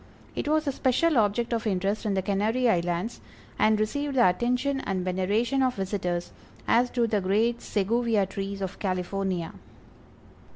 It was a special object of interest in the Canary Islands, and received the attention and veneration of visitors, as do the great Seguvia trees of California.